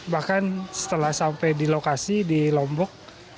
bahkan setelah sampai di lokasi di lombok